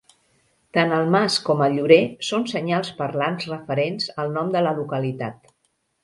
Tant el mas com el llorer són senyals parlants referents al nom de la localitat.